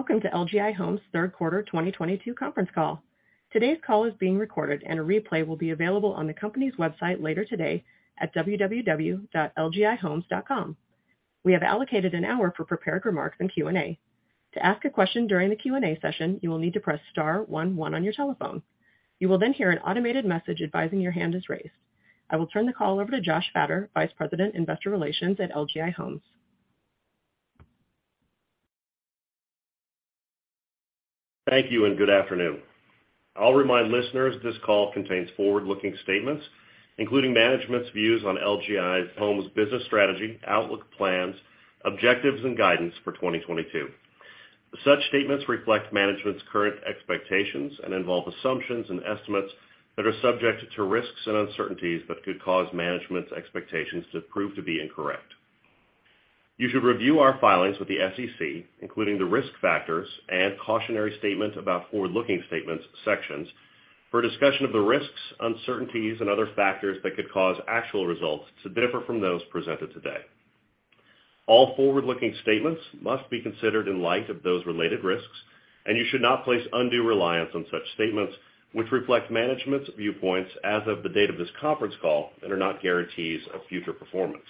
Welcome to LGI Homes' Third Quarter 2022 Conference Call. Today's call is being recorded, and a replay will be available on the company's website later today at www.lgihomes.com. We have allocated an hour for prepared remarks and Q&A. To ask a question during the Q&A session, you will need to press star one one on your telephone. You will then hear an automated message advising your hand is raised. I will turn the call over to Joshua Fattor, Vice President, Investor Relations at LGI Homes. Thank you, and good afternoon. I'll remind listeners this call contains forward-looking statements, including management's views on LGI Homes business strategy, outlook plans, objectives, and guidance for 2022. Such statements reflect management's current expectations and involve assumptions and estimates that are subject to risks and uncertainties that could cause management's expectations to prove to be incorrect. You should review our filings with the SEC, including the risk factors and cautionary statement about forward-looking statements sections, for a discussion of the risks, uncertainties, and other factors that could cause actual results to differ from those presented today. All forward-looking statements must be considered in light of those related risks, and you should not place undue reliance on such statements, which reflect management's viewpoints as of the date of this conference call and are not guarantees of future performance.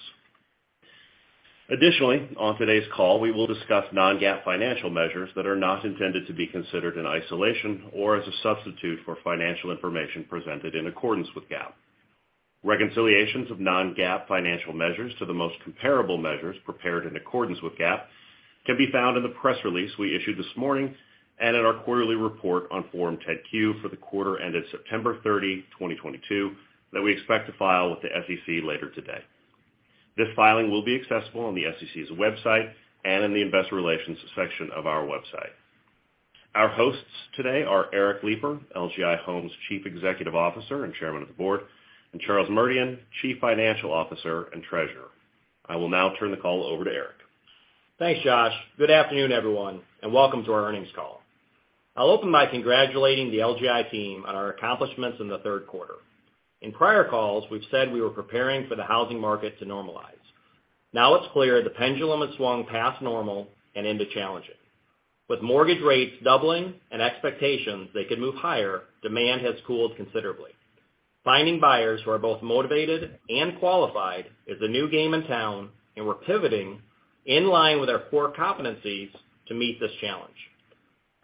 Additionally, on today's call, we will discuss non-GAAP financial measures that are not intended to be considered in isolation or as a substitute for financial information presented in accordance with GAAP. Reconciliations of non-GAAP financial measures to the most comparable measures prepared in accordance with GAAP can be found in the press release we issued this morning and in our quarterly report on Form 10-Q for the quarter ended September 30th, 2022 that we expect to file with the SEC later today. This filing will be accessible on the SEC's website and in the investor relations section of our website. Our hosts today are Eric Lipar, LGI Homes' Chief Executive Officer and Chairman of the Board, and Charles Merdian, Chief Financial Officer and Treasurer. I will now turn the call over to Eric. Thanks, Josh. Good afternoon, everyone, and welcome to our earnings call. I'll open by congratulating the LGI team on our accomplishments in the third quarter. In prior calls, we've said we were preparing for the housing market to normalize. Now it's clear the pendulum has swung past normal and into challenging. With mortgage rates doubling and expectations they could move higher, demand has cooled considerably. Finding buyers who are both motivated and qualified is the new game in town, and we're pivoting in line with our core competencies to meet this challenge.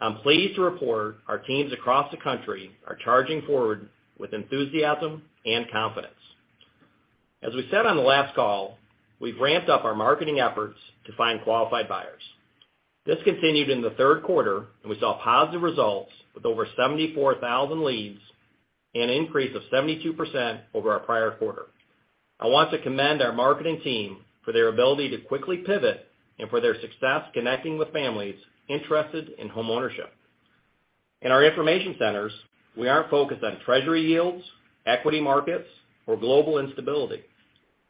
I'm pleased to report our teams across the country are charging forward with enthusiasm and confidence. As we said on the last call, we've ramped up our marketing efforts to find qualified buyers. This continued in the third quarter, and we saw positive results with over 74,000 leads and an increase of 72% over our prior quarter. I want to commend our marketing team for their ability to quickly pivot and for their success connecting with families interested in homeownership. In our information centers, we aren't focused on treasury yields, equity markets, or global instability.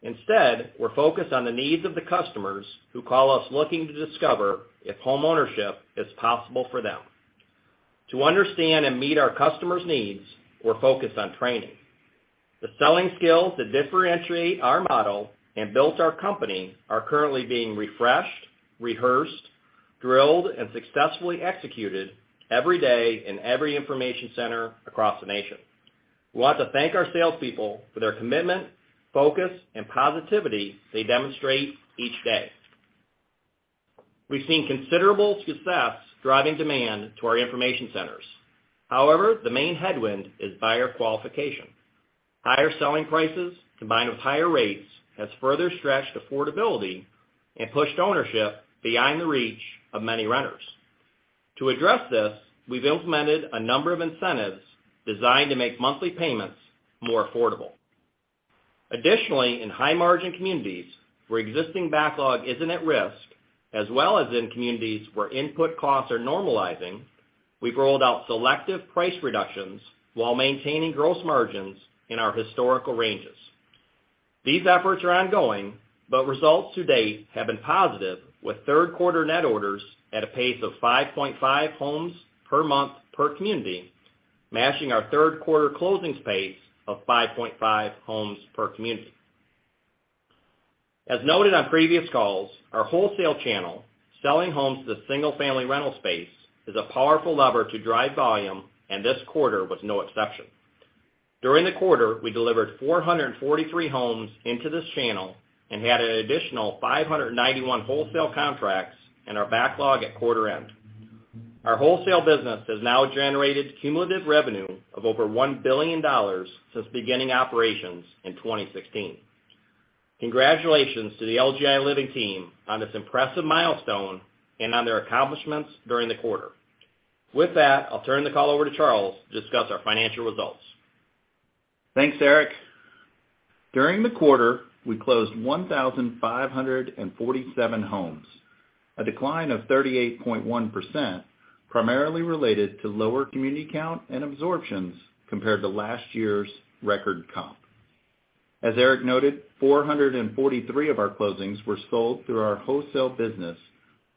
Instead, we're focused on the needs of the customers who call us looking to discover if homeownership is possible for them. To understand and meet our customers' needs, we're focused on training. The selling skills that differentiate our model and built our company are currently being refreshed, rehearsed, drilled, and successfully executed every day in every information center across the nation. We want to thank our salespeople for their commitment, focus, and positivity they demonstrate each day. We've seen considerable success driving demand to our information centers. However, the main headwind is buyer qualification. Higher selling prices combined with higher rates has further stretched affordability and pushed ownership behind the reach of many renters. To address this, we've implemented a number of incentives designed to make monthly payments more affordable. Additionally, in high-margin communities where existing backlog isn't at risk, as well as in communities where input costs are normalizing, we've rolled out selective price reductions while maintaining gross margins in our historical ranges. These efforts are ongoing, but results to date have been positive with third quarter net orders at a pace of 5.5 homes per month per community, matching our third quarter closings pace of 5.5 homes per community. As noted on previous calls, our wholesale channel, selling homes to the single-family rental space, is a powerful lever to drive volume, and this quarter was no exception. During the quarter, we delivered 443 homes into this channel and had an additional 591 wholesale contracts in our backlog at quarter end. Our wholesale business has now generated cumulative revenue of over $1 billion since beginning operations in 2016. Congratulations to the LGI Living team on this impressive milestone and on their accomplishments during the quarter. With that, I'll turn the call over to Charles to discuss our financial results. Thanks, Eric. During the quarter, we closed 1,547 homes, a decline of 38.1%, primarily related to lower community count and absorptions compared to last year's record comp. As Eric noted, 443 of our closings were sold through our wholesale business,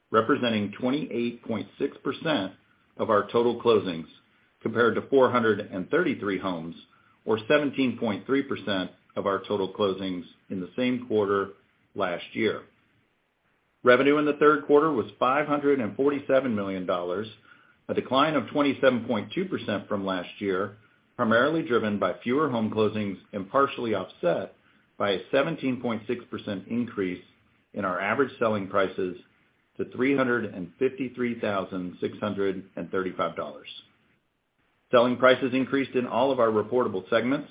representing 28.6% of our total closings. Compared to 433 homes, or 17.3% of our total closings in the same quarter last year. Revenue in the third quarter was $547 million, a decline of 27.2% from last year, primarily driven by fewer home closings and partially offset by a 17.6% increase in our average selling prices to $353,635. Selling prices increased in all of our reportable segments,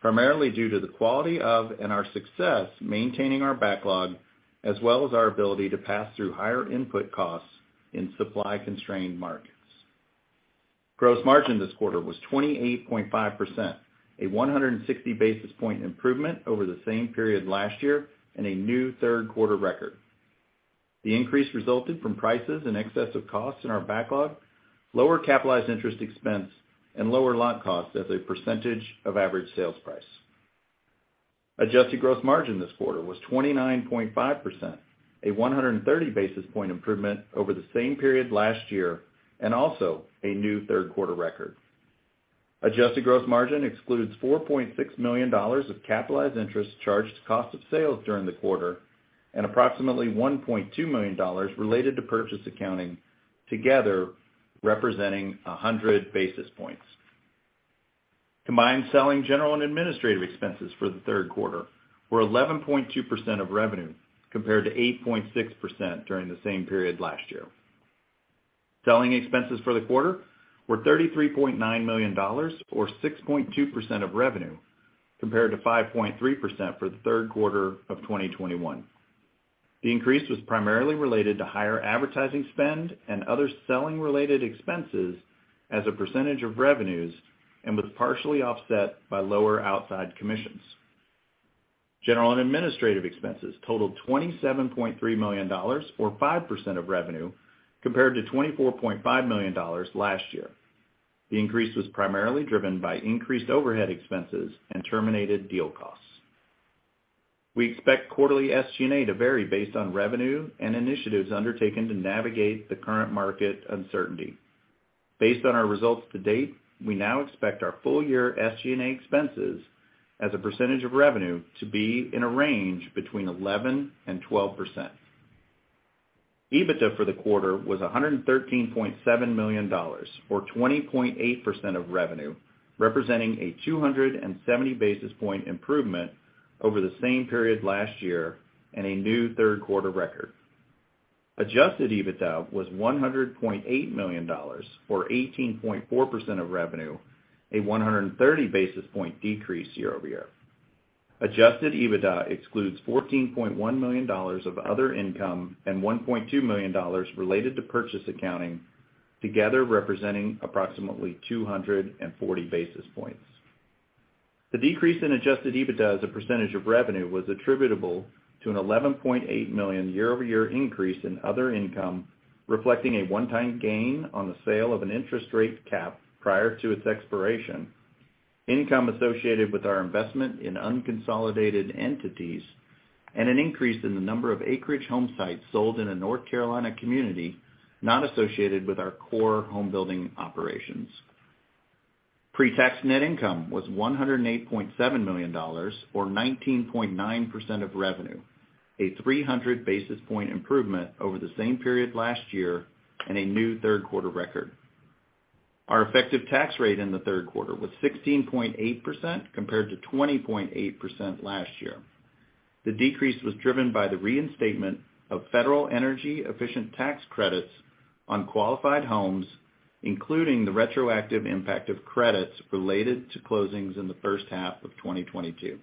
primarily due to the quality of and our success maintaining our backlog, as well as our ability to pass through higher input costs in supply-constrained markets. Gross margin this quarter was 28.5%, a 160 basis point improvement over the same period last year and a new third quarter record. The increase resulted from prices in excess of costs in our backlog, lower capitalized interest expense, and lower lot costs as a percentage of average sales price. Adjusted gross margin this quarter was 29.5%, a 130 basis point improvement over the same period last year, and also a new third quarter record. Adjusted gross margin excludes $4.6 million of capitalized interest charged to cost of sales during the quarter and approximately $1.2 million related to purchase accounting, together representing 100 basis points. Combined selling, general, and administrative expenses for the third quarter were 11.2% of revenue, compared to 8.6% during the same period last year. Selling expenses for the quarter were $33.9 million, or 6.2% of revenue, compared to 5.3% for the third quarter of 2021. The increase was primarily related to higher advertising spend and other selling-related expenses as a percentage of revenues and was partially offset by lower outside commissions. General and administrative expenses totaled $27.3 million, or 5% of revenue, compared to $24.5 million last year. The increase was primarily driven by increased overhead expenses and terminated deal costs. We expect quarterly SG&A to vary based on revenue and initiatives undertaken to navigate the current market uncertainty. Based on our results to date, we now expect our full year SG&A expenses as a percentage of revenue to be in a range between 11% and 12%. EBITDA for the quarter was $113.7 million, or 20.8% of revenue, representing a 270 basis point improvement over the same period last year and a new third quarter record. Adjusted EBITDA was $100.8 million, or 18.4% of revenue, a 130 basis point decrease year-over-year. Adjusted EBITDA excludes $14.1 million of other income and $1.2 million related to purchase accounting, together representing approximately 240 basis points. The decrease in adjusted EBITDA as a percentage of revenue was attributable to an $11.8 million year-over-year increase in other income, reflecting a one-time gain on the sale of an interest rate cap prior to its expiration, income associated with our investment in unconsolidated entities, and an increase in the number of acreage home sites sold in a North Carolina community not associated with our core home building operations. Pre-tax net income was $108.7 million, or 19.9% of revenue, a 300 basis point improvement over the same period last year and a new third quarter record. Our effective tax rate in the third quarter was 16.8%, compared to 20.8% last year. The decrease was driven by the reinstatement of federal energy efficient tax credits on qualified homes, including the retroactive impact of credits related to closings in the first half of 2022.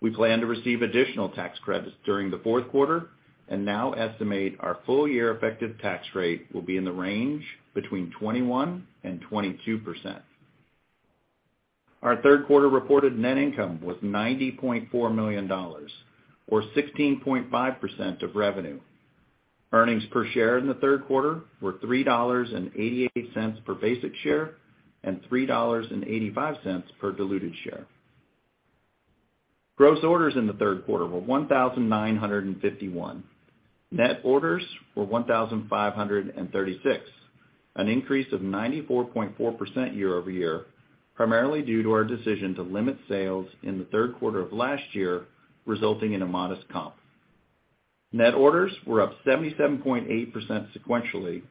We plan to receive additional tax credits during the fourth quarter and now estimate our full year effective tax rate will be in the range between 21% and 22%. Our third quarter reported net income was $90.4 million, or 16.5% of revenue. Earnings per share in the third quarter were $3.88 per basic share and $3.85 per diluted share. Gross orders in the third quarter were 1,951. Net orders were 1,536, an increase of 94.4% year-over-year, primarily due to our decision to limit sales in the third quarter of last year, resulting in a modest comp. Net orders were up 77.8% sequentially,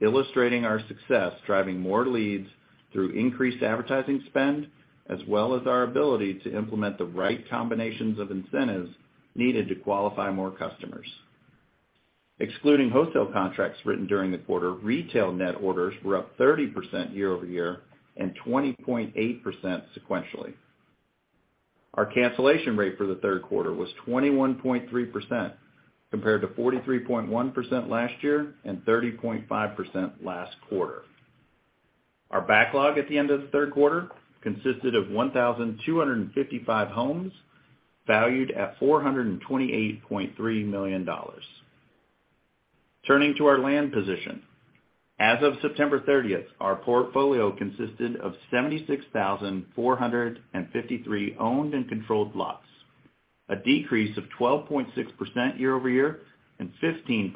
illustrating our success driving more leads through increased advertising spend, as well as our ability to implement the right combinations of incentives needed to qualify more customers. Excluding wholesale contracts written during the quarter, retail net orders were up 30% year-over-year and 20.8% sequentially. Our cancellation rate for the third quarter was 21.3%, compared to 43.1% last year and 30.5% last quarter. Our backlog at the end of the third quarter consisted of 1,255 homes valued at $428.3 million. Turning to our land position. As of September 30th, our portfolio consisted of 76,453 owned and controlled lots. A decrease of 12.6% year-over-year and 15%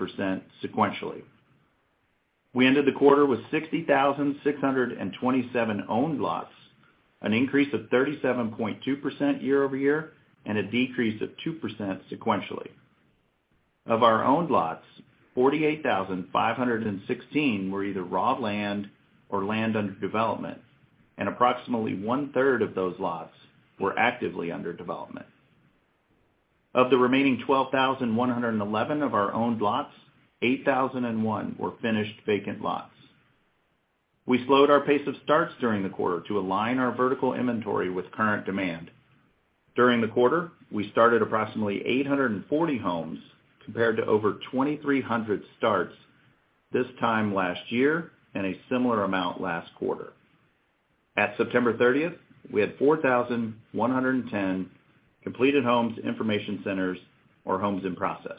sequentially. We ended the quarter with 60,627 owned lots, an increase of 37.2% year-over-year, and a decrease of 2% sequentially. Of our owned lots, 48,516 were either raw land or land under development, and approximately one-third of those lots were actively under development. Of the remaining 12,111 of our owned lots, 8,001 were finished vacant lots. We slowed our pace of starts during the quarter to align our vertical inventory with current demand. During the quarter, we started approximately 840 homes compared to over 2,300 starts this time last year and a similar amount last quarter. At September 30th, we had 4,110 completed homes, information centers or homes in process.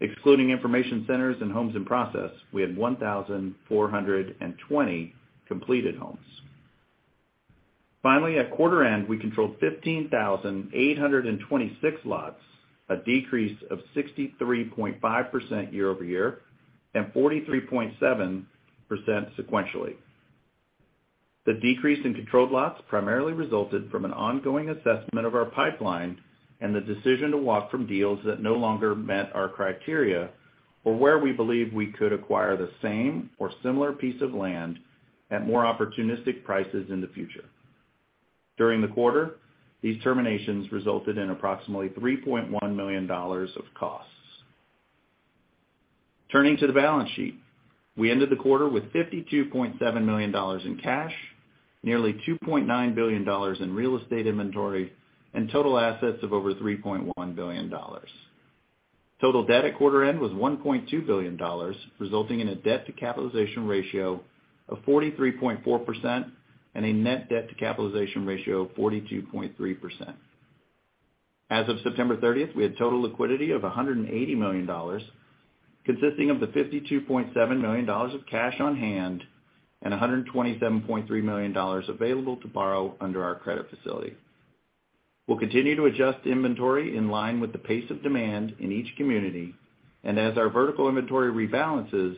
Excluding information centers and homes in process, we had 1,420 completed homes. Finally, at quarter end, we controlled 15,826 lots, a decrease of 63.5% year-over-year, and 43.7% sequentially. The decrease in controlled lots primarily resulted from an ongoing assessment of our pipeline and the decision to walk from deals that no longer met our criteria, or where we believe we could acquire the same or similar piece of land at more opportunistic prices in the future. During the quarter, these terminations resulted in approximately $3.1 million of costs. Turning to the balance sheet. We ended the quarter with $52.7 million in cash, nearly $2.9 billion in real estate inventory, and total assets of over $3.1 billion. Total debt at quarter end was $1.2 billion, resulting in a debt to capitalization ratio of 43.4% and a net debt to capitalization ratio of 42.3%. As of September 30th, we had total liquidity of $180 million, consisting of the $52.7 million of cash on hand and $127.3 million available to borrow under our credit facility. We'll continue to adjust inventory in line with the pace of demand in each community, and as our vertical inventory rebalances,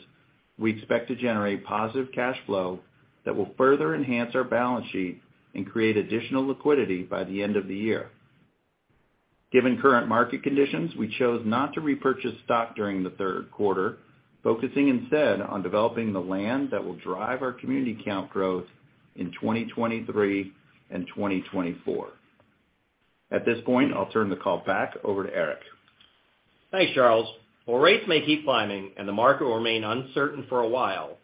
we expect to generate positive cash flow that will further enhance our balance sheet and create additional liquidity by the end of the year. Given current market conditions, we chose not to repurchase stock during the third quarter, focusing instead on developing the land that will drive our community count growth in 2023 and 2024. At this point, I'll turn the call back over to Eric. Thanks, Charles. While rates may keep climbing and the market will remain uncertain for a while,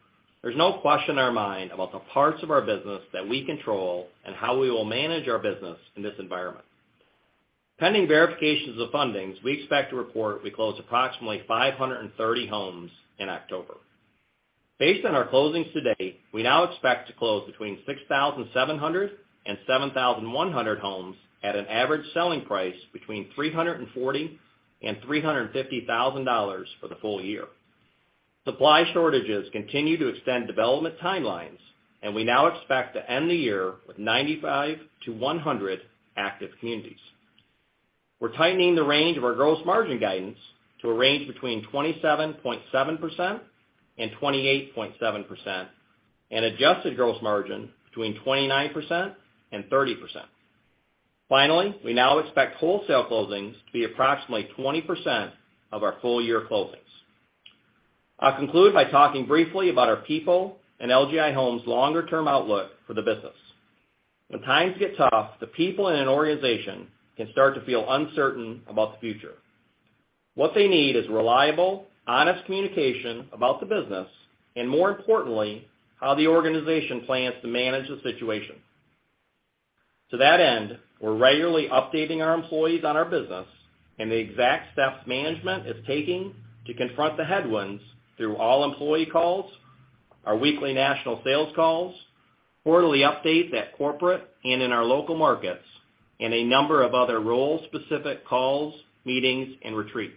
there's no question in our mind about the parts of our business that we control and how we will manage our business in this environment. Pending verifications of fundings, we expect to report we closed approximately 530 homes in October. Based on our closings to date, we now expect to close between 6,700 and 7,100 homes at an average selling price between $340,000 and $350,000 for the full year. Supply shortages continue to extend development timelines, and we now expect to end the year with 95-100 active communities. We're tightening the range of our gross margin guidance to a range between 27.7% and 28.7% and adjusted gross margin between 29% and 30%. Finally, we now expect wholesale closings to be approximately 20% of our full year closings. I'll conclude by talking briefly about our people and LGI Homes' longer-term outlook for the business. When times get tough, the people in an organization can start to feel uncertain about the future. What they need is reliable, honest communication about the business and, more importantly, how the organization plans to manage the situation. To that end, we're regularly updating our employees on our business and the exact steps management is taking to confront the headwinds through all employee calls, our weekly national sales calls, quarterly updates at corporate and in our local markets, and a number of other role-specific calls, meetings and retreats.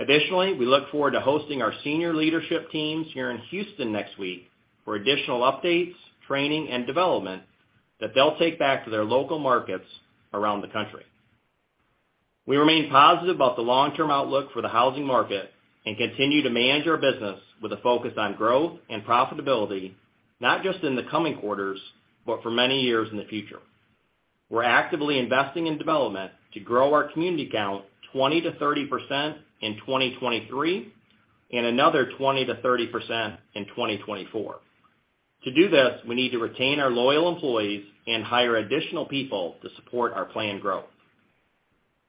Additionally, we look forward to hosting our senior leadership teams here in Houston next week for additional updates, training and development that they'll take back to their local markets around the country. We remain positive about the long-term outlook for the housing market and continue to manage our business with a focus on growth and profitability, not just in the coming quarters, but for many years in the future. We're actively investing in development to grow our community count 20%-30% in 2023 and another 20%-30% in 2024. To do this, we need to retain our loyal employees and hire additional people to support our planned growth.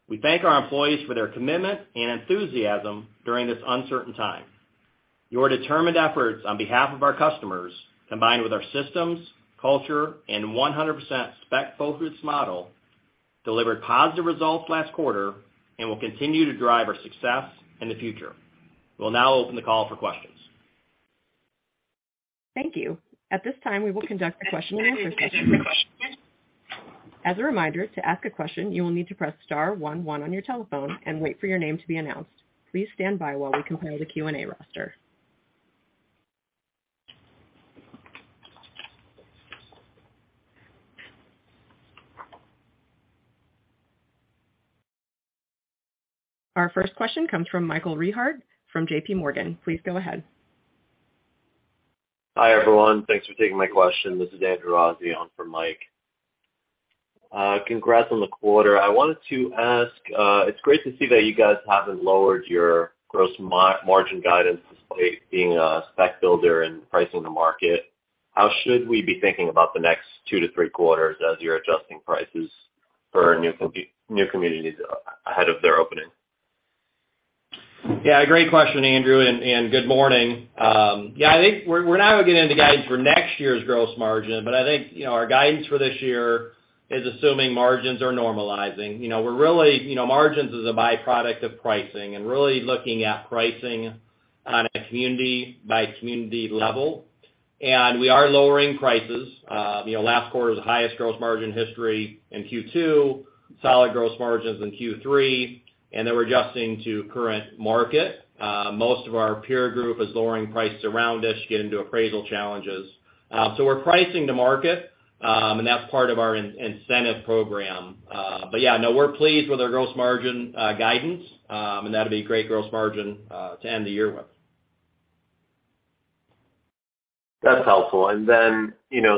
We thank our employees for their commitment and enthusiasm during this uncertain time. Your determined efforts on behalf of our customers, combined with our systems, culture, and 100% spec-focused model, delivered positive results last quarter and will continue to drive our success in the future. We'll now open the call for questions. Thank you. At this time, we will conduct the question and answer session. As a reminder, to ask a question, you will need to press star one one on your telephone and wait for your name to be announced. Please stand by while we compile the Q&A roster. Our first question comes from Michael Rehaut from JPMorgan. Please go ahead. Hi, everyone. Thanks for taking my question. This is Andrew Rossi on for Mike. Congrats on the quarter. I wanted to ask, it's great to see that you guys haven't lowered your gross margin guidance despite being a spec builder and pricing the market. How should we be thinking about the next two to three quarters as you're adjusting prices for new communities ahead of their opening? Yeah, great question, Andrew, and good morning. I think we're not gonna get into guidance for next year's gross margin, but I think, you know, our guidance for this year is assuming margins are normalizing. You know, we're really, you know, margins is a byproduct of pricing and really looking at pricing on a community by community level. We are lowering prices. You know, last quarter's highest gross margin history in Q2, solid gross margins in Q3, and then we're adjusting to current market. Most of our peer group is lowering prices around us, getting into appraisal challenges. So we're pricing to market, and that's part of our incentive program. But yeah, no, we're pleased with our gross margin guidance, and that'll be great gross margin to end the year with. That's helpful.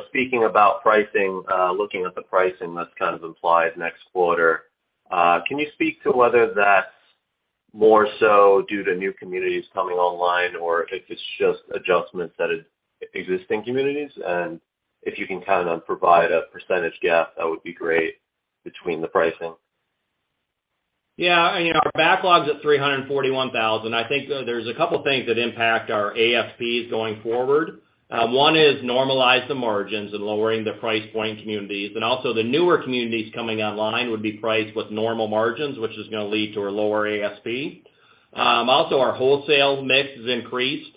Speaking about pricing, looking at the pricing that's kind of implied next quarter, can you speak to whether that's more so due to new communities coming online or if it's just adjustments at existing communities? If you can kind of provide a percentage gap, that would be great between the pricing. Yeah. You know, our backlogs at 341,000. I think there's a couple things that impact our ASPs going forward. One is normalize the margins and lowering the price point communities. Also, the newer communities coming online would be priced with normal margins, which is gonna lead to a lower ASP. Also, our wholesale mix has increased.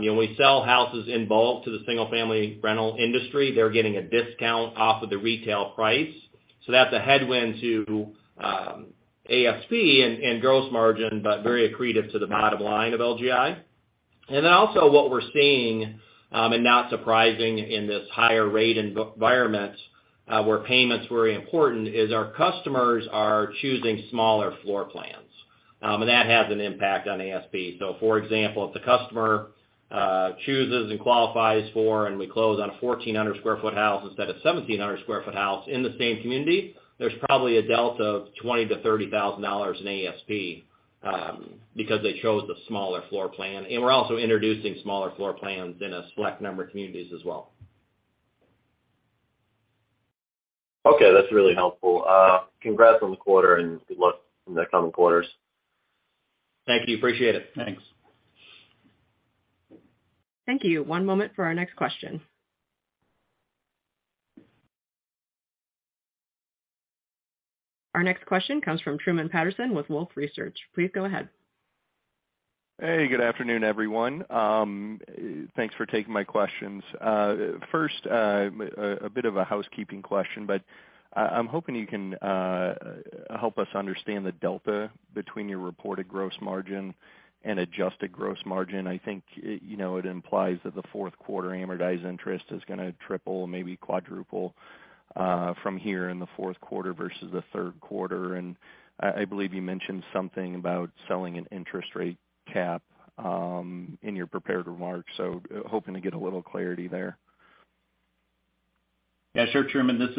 You know, we sell houses in bulk to the single family rental industry. They're getting a discount off of the retail price. That's a headwind to ASP and gross margin, but very accretive to the bottom line of LGI. Also what we're seeing, and not surprising in this higher rate environment, where payments were important is our customers are choosing smaller floor plans. And that has an impact on ASP. For example, if the customer chooses and qualifies for, and we close on a 1,400 sq ft house instead of 1,700 sq ft house in the same community, there's probably a delta of $20,000-$30,000 in ASP, because they chose the smaller floor plan. We're also introducing smaller floor plans in a select number of communities as well. Okay, that's really helpful. Congrats on the quarter and good luck in the coming quarters. Thank you. Appreciate it. Thanks. Thank you. One moment for our next question. Our next question comes from Truman Patterson with Wolfe Research. Please go ahead. Hey, good afternoon, everyone. Thanks for taking my questions. First, a bit of a housekeeping question, but I'm hoping you can help us understand the delta between your reported gross margin and adjusted gross margin. I think, you know, it implies that the fourth quarter amortized interest is gonna triple, maybe quadruple, from here in the fourth quarter versus the third quarter. I believe you mentioned something about selling an interest rate cap in your prepared remarks, so hoping to get a little clarity there. Yeah, sure, Truman. This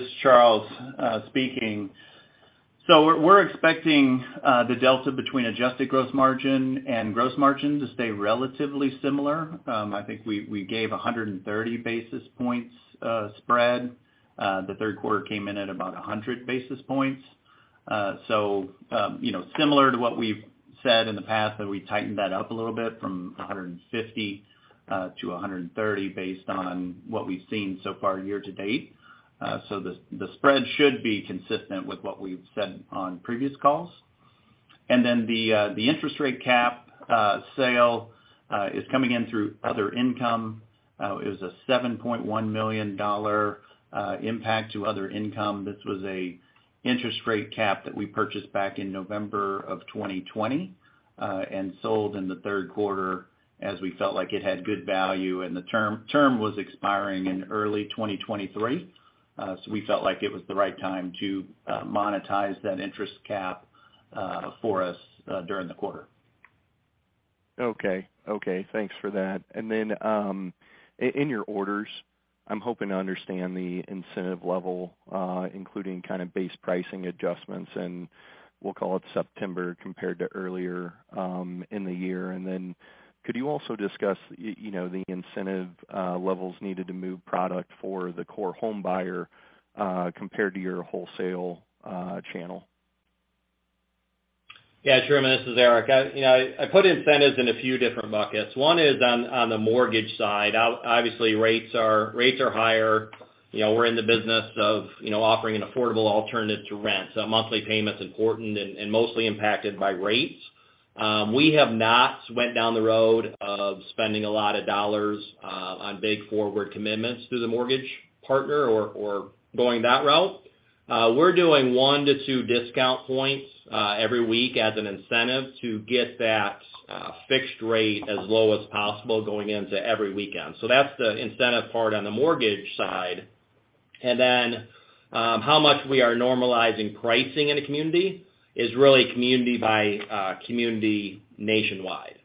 is Charles speaking. We're expecting the delta between adjusted gross margin and gross margin to stay relatively similar. I think we gave 130 basis points spread. The third quarter came in at about 100 basis points. You know, similar to what we've said in the past, but we tightened that up a little bit from 150-130 based on what we've seen so far year to date. The spread should be consistent with what we've said on previous calls. Then the interest rate cap sale is coming in through other income. It was a $7.1 million impact to other income. This was an interest rate cap that we purchased back in November of 2020 and sold in the third quarter as we felt like it had good value, and the term was expiring in early 2023. We felt like it was the right time to monetize that interest cap for us during the quarter. Okay. Okay, thanks for that. In your orders, I'm hoping to understand the incentive level, including kind of base pricing adjustments, and we'll call it September compared to earlier in the year. Could you also discuss, you know, the incentive levels needed to move product for the core home buyer, compared to your wholesale channel? Yeah, Truman, this is Eric. You know, I put incentives in a few different buckets. One is on the mortgage side. Obviously, rates are higher. You know, we're in the business of offering an affordable alternative to rent. So monthly payment's important and mostly impacted by rates. We have not went down the road of spending a lot of dollars on big forward commitments through the mortgage partner or going that route. We're doing 1-2 discount points every week as an incentive to get that fixed rate as low as possible going into every weekend. So that's the incentive part on the mortgage side. And then, how much we are normalizing pricing in a community is really community by community nationwide.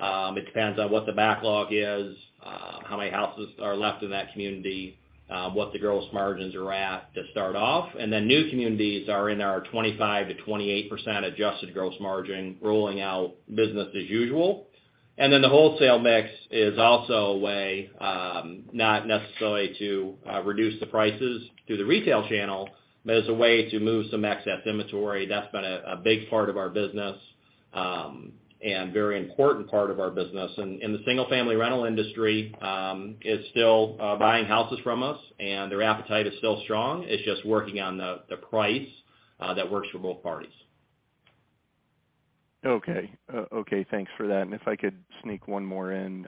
It depends on what the backlog is, how many houses are left in that community, what the gross margins are at to start off. New communities are in our 25%-28% adjusted gross margin, rolling out business as usual. The wholesale mix is also a way, not necessarily to reduce the prices through the retail channel, but as a way to move some excess inventory. That's been a big part of our business, and very important part of our business. The single-family rental industry is still buying houses from us, and their appetite is still strong. It's just working on the price that works for both parties. Okay. Thanks for that. If I could sneak one more in.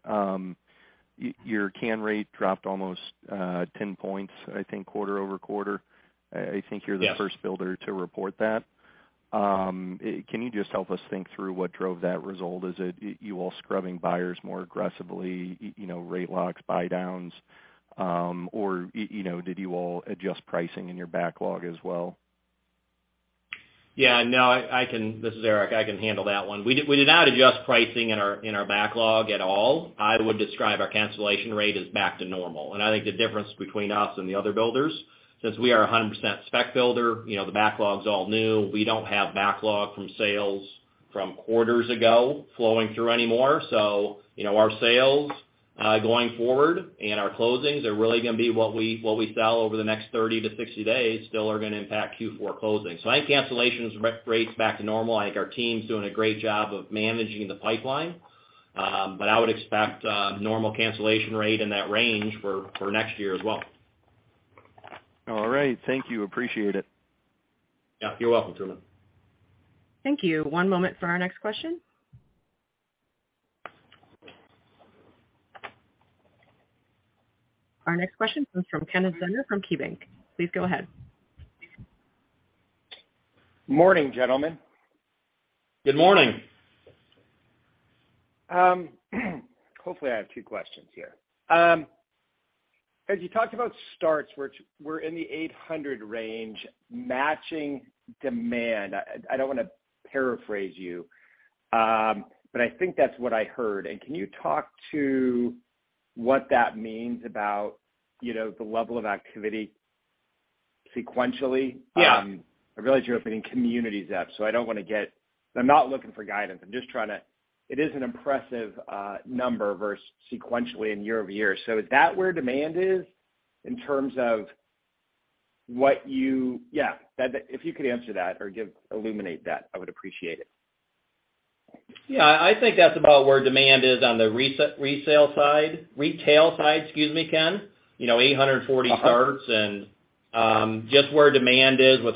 Your cancel rate dropped almost 10 points, I think, quarter-over-quarter. Yes. I think you're the first builder to report that. Can you just help us think through what drove that result? Is it you all scrubbing buyers more aggressively, you know, rate locks, buy downs, or, you know, did you all adjust pricing in your backlog as well? Yeah. No. This is Eric. I can handle that one. We did not adjust pricing in our backlog at all. I would describe our cancellation rate as back to normal. I think the difference between us and the other builders, since we are 100% spec builder, you know, the backlog's all new. We don't have backlog from sales from quarters ago flowing through anymore. You know, our sales going forward and our closings are really gonna be what we sell over the next 30-60 days, still are gonna impact Q4 closings. I think cancellation rates back to normal. I think our team's doing a great job of managing the pipeline. I would expect normal cancellation rate in that range for next year as well. All right. Thank you. Appreciate it. Yeah. You're welcome, Truman. Thank you. One moment for our next question. Our next question comes from Kenneth Zener from KeyBanc. Please go ahead. Morning, gentlemen. Good morning. Hopefully, I have two questions here. As you talked about starts, which we're in the 800 range matching demand. I don't wanna paraphrase you, but I think that's what I heard. Can you talk to what that means about, you know, the level of activity sequentially? Yeah. I realize you're opening communities up, so I don't wanna get. I'm not looking for guidance. I'm just trying to. It is an impressive number versus sequentially and year-over-year. Is that where demand is in terms of what you. Yeah, that. If you could answer that or give, illuminate that, I would appreciate it. Yeah. I think that's about where demand is on the resale side, retail side, excuse me, Ken. You know, 840 starts. Uh-huh. Just where demand is with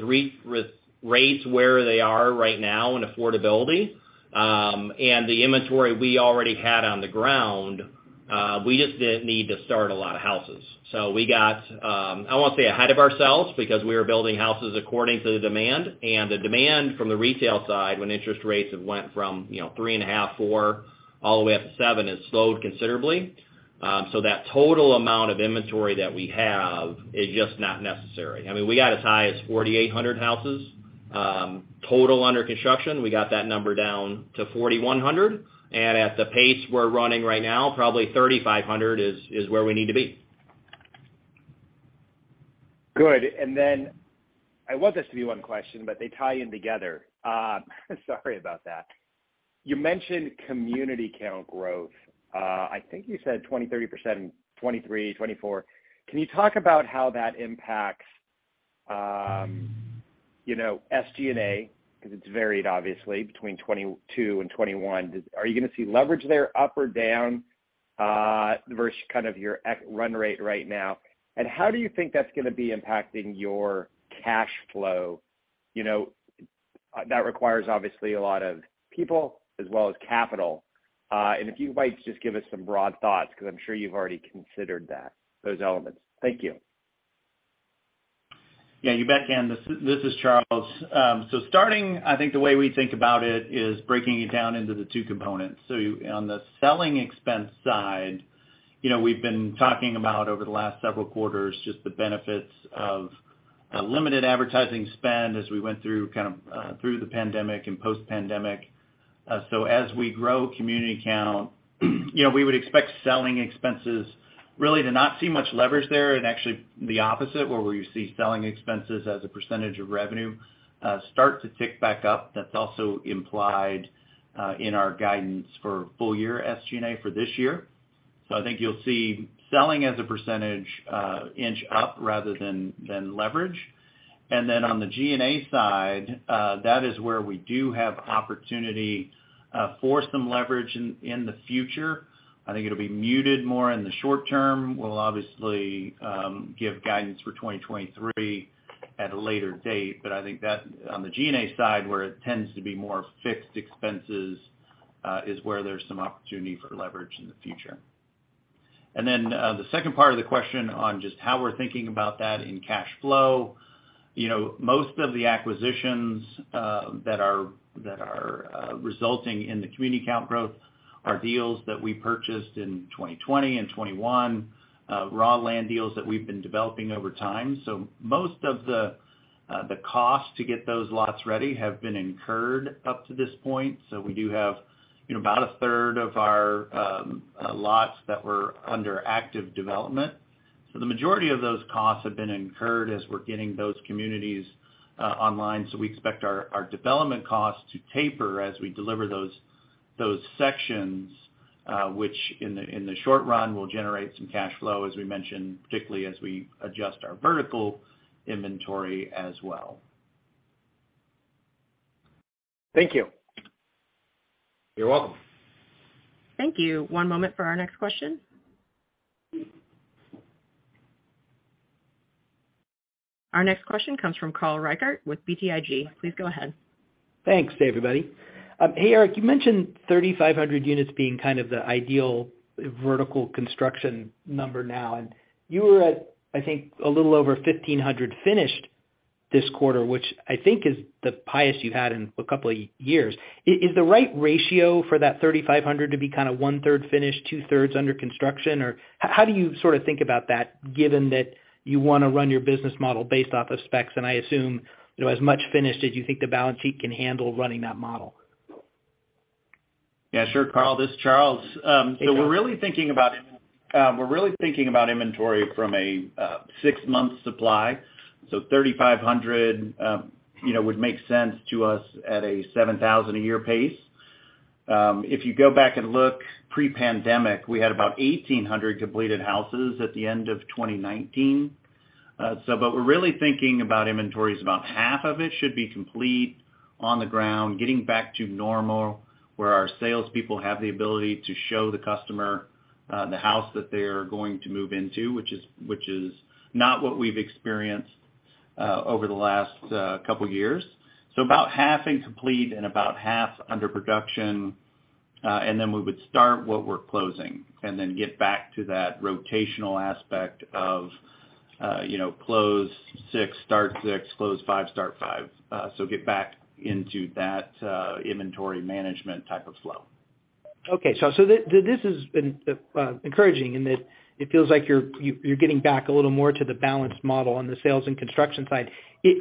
rates where they are right now in affordability, and the inventory we already had on the ground, we just didn't need to start a lot of houses. We got, I won't say ahead of ourselves because we were building houses according to the demand and the demand from the retail side when interest rates have went from, you know, 3.5%, 4%, all the way up to 7% has slowed considerably. That total amount of inventory that we have is just not necessary. I mean, we got as high as 4,800 houses total under construction. We got that number down to 4,100, and at the pace we're running right now, probably 3,500 is where we need to be. Good. I want this to be one question, but they tie in together. Sorry about that. You mentioned community count growth. I think you said 20-30% in 2023, 2024. Can you talk about how that impacts, you know, SG&A? Because it's varied obviously between 2022 and 2021. Are you gonna see leverage there up or down, versus kind of your run rate right now? And how do you think that's gonna be impacting your cash flow? You know, that requires obviously a lot of people as well as capital. If you might just give us some broad thoughts, because I'm sure you've already considered that, those elements. Thank you. Yeah. You bet, Ken. This is Charles. I think the way we think about it is breaking it down into the two components. On the selling expense side, you know, we've been talking about over the last several quarters just the benefits of a limited advertising spend as we went through kind of through the pandemic and post-pandemic. As we grow community count, you know, we would expect selling expenses really to not see much leverage there and actually the opposite, where we see selling expenses as a percentage of revenue start to tick back up. That's also implied in our guidance for full year SG&A for this year. I think you'll see selling as a percentage inch up rather than leverage. On the G&A side, that is where we do have opportunity for some leverage in the future. I think it'll be muted more in the short term. We'll obviously give guidance for 2023 at a later date. I think that on the G&A side, where it tends to be more fixed expenses, is where there's some opportunity for leverage in the future. The second part of the question on just how we're thinking about that in cash flow. You know, most of the acquisitions that are resulting in the community count growth are deals that we purchased in 2020 and 2021, raw land deals that we've been developing over time. Most of the cost to get those lots ready have been incurred up to this point. We do have, you know, about a third of our lots that were under active development. The majority of those costs have been incurred as we're getting those communities online. We expect our development costs to taper as we deliver those sections, which in the short run will generate some cash flow, as we mentioned, particularly as we adjust our vertical inventory as well. Thank you. You're welcome. Thank you. One moment for our next question. Our next question comes from Carl Reichardt with BTIG. Please go ahead. Thanks, everybody. Hey, Eric, you mentioned 3,500 units being kind of the ideal vertical construction number now, and you were at, I think, a little over 1,500 finished this quarter, which I think is the highest you've had in a couple years. Is the right ratio for that 3,500 to be kinda 1/3 finished, 2/3 under construction? Or how do you sorta think about that given that you wanna run your business model based off of specs, and I assume, you know, as much finished as you think the balance sheet can handle running that model? Yeah, sure, Carl, this is Charles. We're really thinking about inventory from a six-month supply. 3,500, you know, would make sense to us at a 7,000 a year pace. If you go back and look pre-pandemic, we had about 1,800 completed houses at the end of 2019. But we're really thinking about inventory as about half of it should be complete on the ground, getting back to normal, where our salespeople have the ability to show the customer the house that they are going to move into, which is not what we've experienced over the last couple years. About half incomplete and about half under production, and then we would start what we're closing and then get back to that rotational aspect of, you know, close six, start six, close five, start five. Get back into that inventory management type of flow. Okay. This has been encouraging in that it feels like you're getting back a little more to the balanced model on the sales and construction side.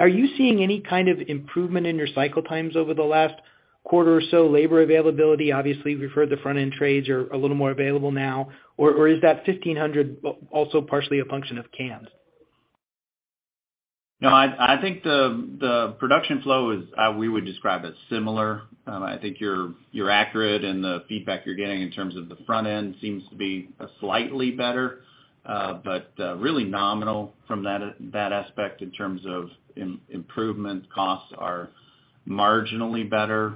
Are you seeing any kind of improvement in your cycle times over the last quarter or so? Labor availability, obviously we've heard the front-end trades are a little more available now. Or is that 1,500 also partially a function of cancellations? No, I think the production flow is we would describe as similar. I think you're accurate in the feedback you're getting in terms of the front end seems to be slightly better, but really nominal from that aspect in terms of improvement. Costs are marginally better.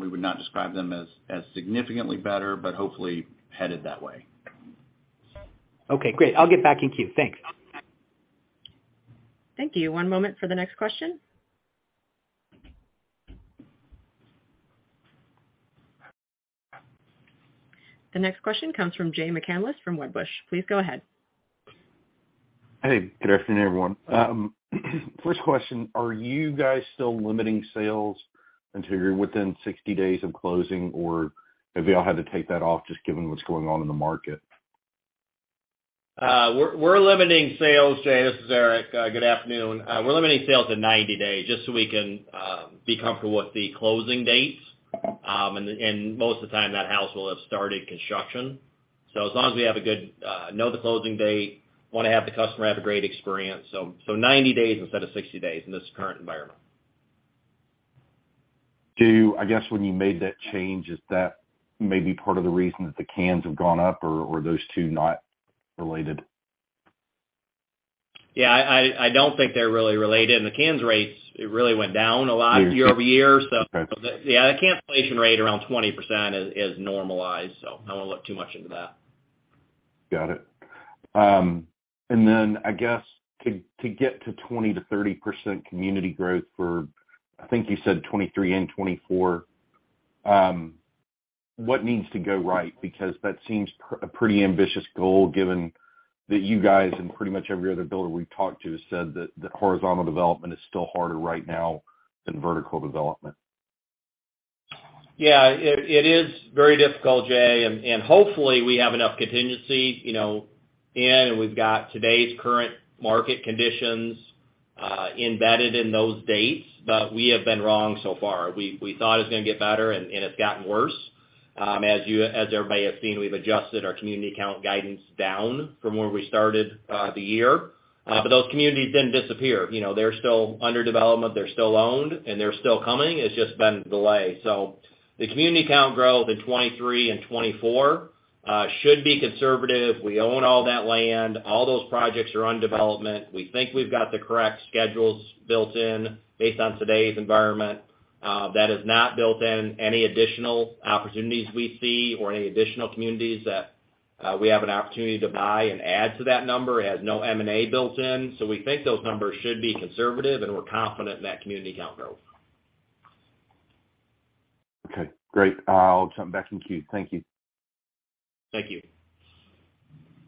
We would not describe them as significantly better, but hopefully headed that way. Okay, great. I'll get back in queue. Thanks. Thank you. One moment for the next question. The next question comes from Jay McCanless from Wedbush. Please go ahead. Hey, good afternoon, everyone. First question, are you guys still limiting sales until you're within 60 days of closing, or have y'all had to take that off just given what's going on in the market? We're limiting sales, Jay. This is Eric. Good afternoon. We're limiting sales to 90 days just so we can be comfortable with the closing dates. Most of the time that house will have started construction. As long as we have a good know the closing date, wanna have the customer have a great experience, 90 days instead of 60 days in this current environment. I guess, when you made that change, is that maybe part of the reason that the costs have gone up or those two not related? Yeah, I don't think they're really related, and the cancel rates really went down a lot year-over-year. Okay. Yeah, the cancellation rate around 20% is normalized, so I won't look too much into that. Got it. I guess to get to 20%-30% community growth for, I think you said 2023 and 2024, what needs to go right? Because that seems pretty ambitious goal given that you guys and pretty much every other builder we've talked to has said that horizontal development is still harder right now than vertical development. Yeah, it is very difficult, Jay. Hopefully we have enough contingency, you know, in and we've got today's current market conditions embedded in those dates. We have been wrong so far. We thought it was gonna get better, and it's gotten worse. As everybody has seen, we've adjusted our community count guidance down from where we started the year. Those communities didn't disappear. You know, they're still under development, they're still owned, and they're still coming. It's just been a delay. The community count growth in 2023 and 2024 should be conservative. We own all that land. All those projects are under development. We think we've got the correct schedules built in based on today's environment. That has not built in any additional opportunities we see or any additional communities that we have an opportunity to buy and add to that number. It has no M&A built in. We think those numbers should be conservative, and we're confident in that community count growth. Okay, great. I'll jump back in queue. Thank you. Thank you.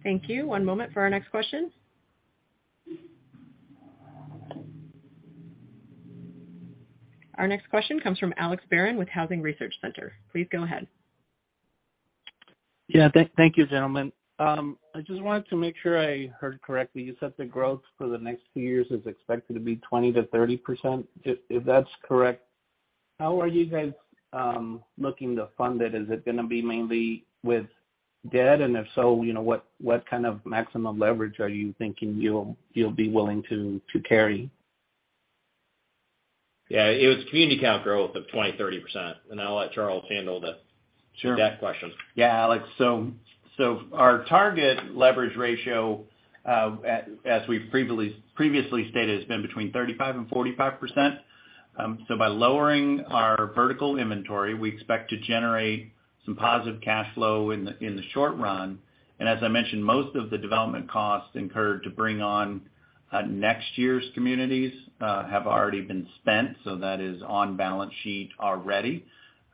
Thank you. One moment for our next question. Our next question comes from Alex Barron with Housing Research Center. Please go ahead. Yeah. Thank you, gentlemen. I just wanted to make sure I heard correctly. You said the growth for the next few years is expected to be 20%-30%. If that's correct, how are you guys looking to fund it? Is it gonna be mainly with debt? If so, you know, what kind of maximum leverage are you thinking you'll be willing to carry? Yeah. It was community count growth of 20%-30%. I'll let Charles handle the Sure Debt question. Yeah, Alex. Our target leverage ratio, as we've previously stated, has been between 35% and 45%. By lowering our vertical inventory, we expect to generate some positive cash flow in the short run. As I mentioned, most of the development costs incurred to bring on next year's communities have already been spent, so that is on balance sheet already.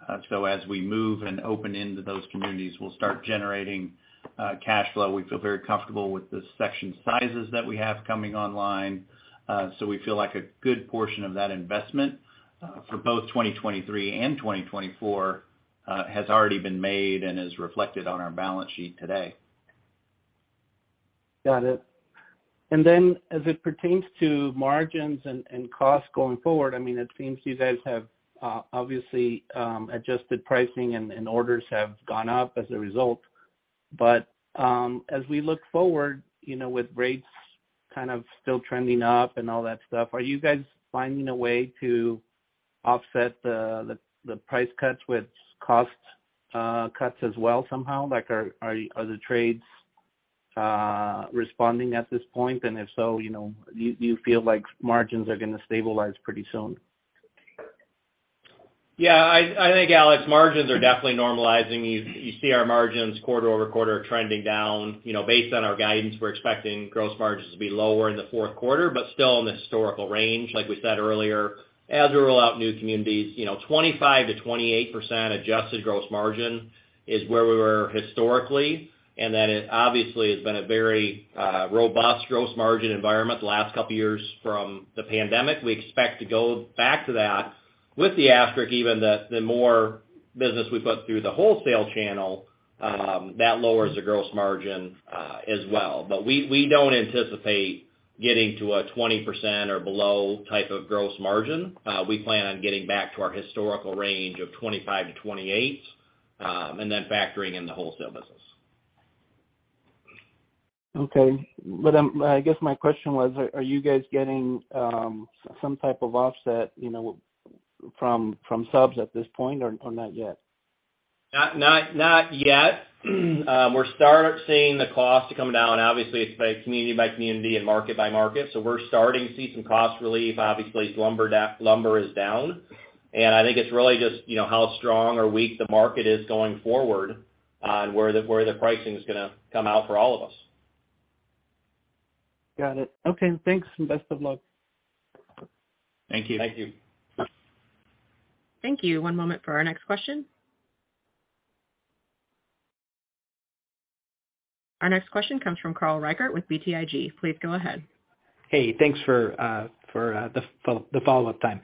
As we move and open into those communities, we'll start generating cash flow. We feel very comfortable with the section sizes that we have coming online. We feel like a good portion of that investment for both 2023 and 2024 has already been made and is reflected on our balance sheet today. Got it. As it pertains to margins and costs going forward, I mean, it seems you guys have obviously adjusted pricing and orders have gone up as a result. As we look forward, you know, with rates kind of still trending up and all that stuff, are you guys finding a way to offset the price cuts with cost cuts as well somehow? Like, are the trades responding at this point? If so, you know, do you feel like margins are gonna stabilize pretty soon? Yeah. I think, Alex, margins are definitely normalizing. You see our margins quarter-over-quarter trending down. You know, based on our guidance, we're expecting gross margins to be lower in the fourth quarter, but still in the historical range, like we said earlier. As we roll out new communities, you know, 25%-28% adjusted gross margin is where we were historically, and that it obviously has been a very robust gross margin environment the last couple years from the pandemic. We expect to go back to that with the asterisk even that the more business we put through the wholesale channel, that lowers the gross margin, as well. But we don't anticipate getting to a 20% or below type of gross margin. We plan on getting back to our historical range of 25%-28%, and then factoring in the wholesale business. Okay. I guess my question was, are you guys getting some type of offset, you know, from subs at this point or not yet? Not yet. We're starting to see the cost to come down, obviously it's by community by community and market by market. We're starting to see some cost relief. Obviously, lumber is down. I think it's really just, you know, how strong or weak the market is going forward on where the pricing's gonna come out for all of us. Got it. Okay, thanks and best of luck. Thank you. Thank you. Thank you. One moment for our next question. Our next question comes from Carl Reichardt with BTIG. Please go ahead. Hey, thanks for the follow-up time.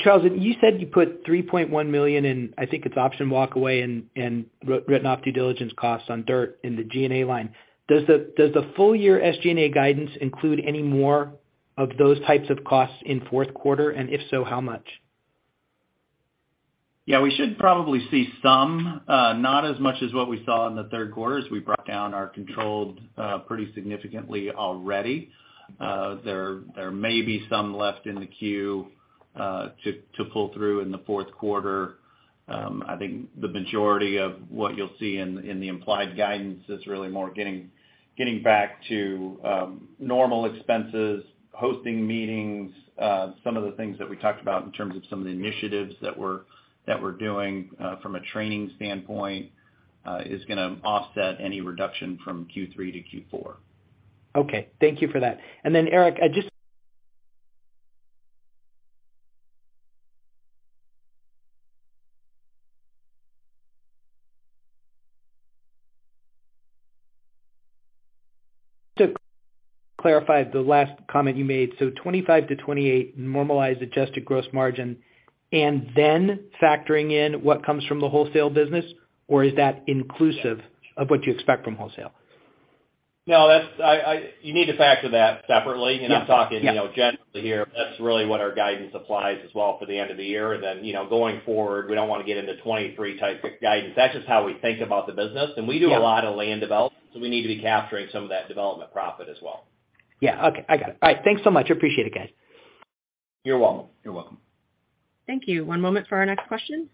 Charles, you said you put $3.1 million in, I think it's option walk away and written off due diligence costs on dirt in the G&A line. Does the full year SG&A guidance include any more of those types of costs in fourth quarter? If so, how much? Yeah, we should probably see some, not as much as what we saw in the third quarter as we brought down our controlled pretty significantly already. There may be some left in the queue to pull through in the fourth quarter. I think the majority of what you'll see in the implied guidance is really more getting back to normal expenses, hosting meetings, some of the things that we talked about in terms of some of the initiatives that we're doing from a training standpoint is gonna offset any reduction from Q3 to Q4. Okay. Thank you for that. Eric, I just to clarify the last comment you made, 25%-28% normalized adjusted gross margin, and then factoring in what comes from the wholesale business, or is that inclusive of what you expect from wholesale? No, that's, you need to factor that separately. Yeah. Yeah. I'm talking, you know, generally here, that's really what our guidance applies as well for the end of the year. You know, going forward, we don't wanna get into 2023 type of guidance. That's just how we think about the business. Yeah. We do a lot of land development, so we need to be capturing some of that development profit as well. Yeah. Okay. I got it. All right. Thanks so much. Appreciate it, guys. You're welcome. You're welcome. Thank you. One moment for our next question.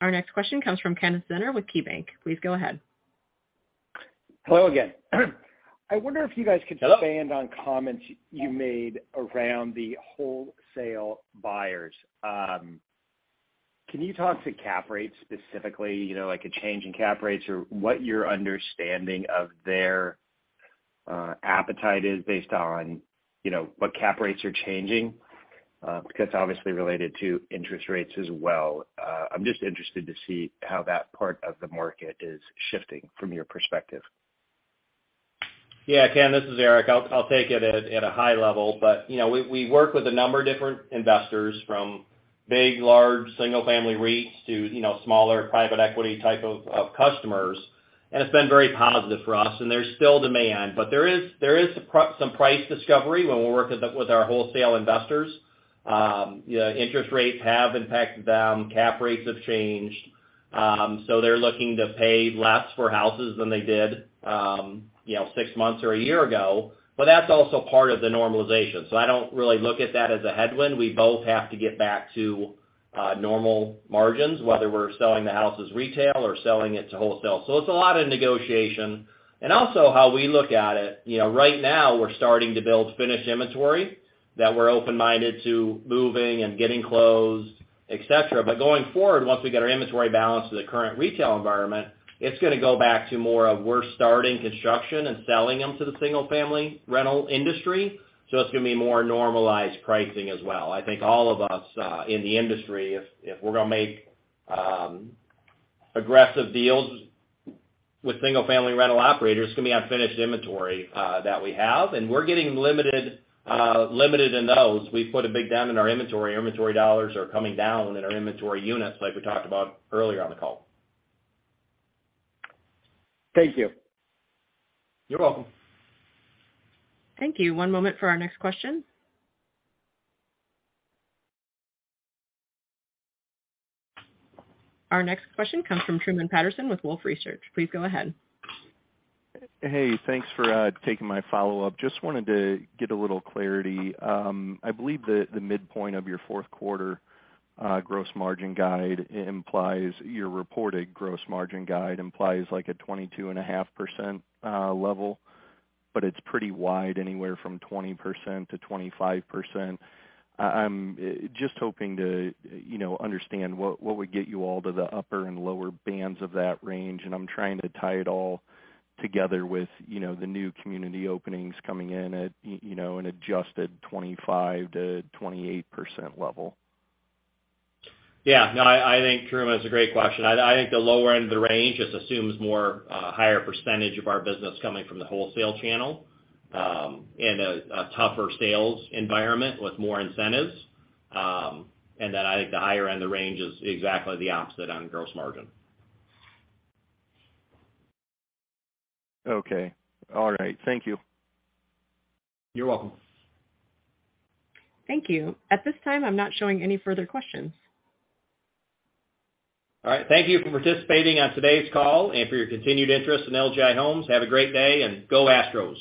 Our next question comes from Kenneth Zener with KeyBanc. Please go ahead. Hello again. I wonder if you guys could. Hello Expand on comments you made around the wholesale buyers. Can you talk to cap rates specifically, you know, like a change in cap rates or what your understanding of their appetite is based on, you know, what cap rates are changing? Because obviously related to interest rates as well. I'm just interested to see how that part of the market is shifting from your perspective. Yeah, Ken, this is Eric. I'll take it at a high level. You know, we work with a number of different investors from big, large single-family REITs to, you know, smaller private equity type of customers, and it's been very positive for us and there's still demand. There is some price discovery when we work with our wholesale investors. You know, interest rates have impacted them. Cap rates have changed. They're looking to pay less for houses than they did, you know, six months or a year ago. That's also part of the normalization. I don't really look at that as a headwind. We both have to get back to normal margins, whether we're selling the house as retail or selling it to wholesale. It's a lot of negotiation. Also how we look at it, you know, right now we're starting to build finished inventory that we're open-minded to moving and getting closed, et cetera. Going forward, once we get our inventory balance to the current retail environment, it's gonna go back to more of we're starting construction and selling them to the single-family rental industry, so it's gonna be more normalized pricing as well. I think all of us in the industry, if we're gonna make aggressive deals with single-family rental operators, it's gonna be on finished inventory that we have, and we're getting limited in those. We've put a big dent in our inventory. Inventory dollars are coming down in our inventory units like we talked about earlier on the call. Thank you. You're welcome. Thank you. One moment for our next question. Our next question comes from Truman Patterson with Wolfe Research. Please go ahead. Hey, thanks for taking my follow-up. Just wanted to get a little clarity. I believe the midpoint of your fourth quarter gross margin guide implies your reported gross margin guide, implies like a 22.5% level, but it's pretty wide, anywhere from 20%-25%. I'm just hoping to, you know, understand what would get you all to the upper and lower bands of that range, and I'm trying to tie it all together with, you know, the new community openings coming in at an adjusted 25%-28% level. Yeah. No, I think, Truman, that's a great question. I think the lower end of the range just assumes more higher percentage of our business coming from the wholesale channel, and a tougher sales environment with more incentives. Then I think the higher end of the range is exactly the opposite on gross margin. Okay. All right. Thank you. You're welcome. Thank you. At this time, I'm not showing any further questions. All right. Thank you for participating on today's call and for your continued interest in LGI Homes. Have a great day, and go Astros.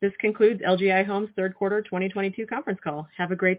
This concludes LGI Homes' third quarter 2022 conference call. Have a great day.